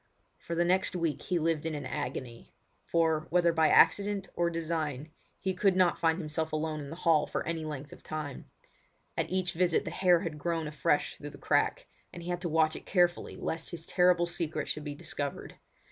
For the next week he lived in an agony; for, whether by accident or design, he could not find himself alone in the hall for any length of time. At each visit the hair had grown afresh through the crack, and he had to watch it carefully lest his terrible secret should be discovered.